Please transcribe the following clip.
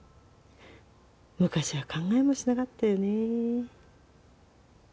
昔は考えもしなかったよね。